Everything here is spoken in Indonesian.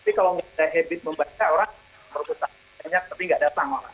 tapi kalau tidak ada habit membaca orang perpustakaan banyak tapi tidak datang orang